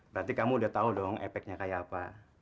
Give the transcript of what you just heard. berarti kamu udah tahu dong efeknya kayak apa